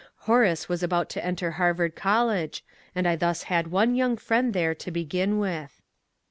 Horace was about to enter Harvard CoUege, and I thus had one young friend there to begin with.